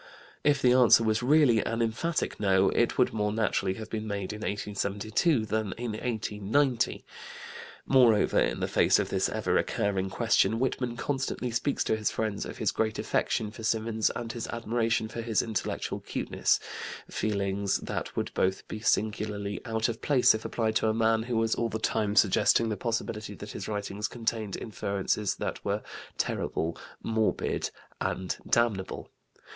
If the answer was really an emphatic no, it would more naturally have been made in 1872 than 1890. Moreover, in the face of this ever recurring question, Whitman constantly speaks to his friends of his great affection for Symonds and his admiration for his intellectual cuteness, feelings that would both be singularly out of place if applied to a man who was all the time suggesting the possibility that his writings contained inferences that were "terrible," "morbid," and "damnable."